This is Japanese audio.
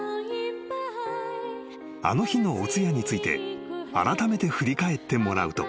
［あの日のお通夜についてあらためて振り返ってもらうと］